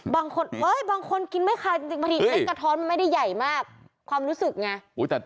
บางคนบางคนกินไม่คายจริงบางทีเม็ดกระท้อนมันไม่ได้ใหญ่มากความรู้สึกไง